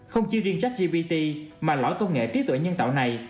không chi riêng jack gpt mà lõi công nghệ trí tuệ nhân tạo này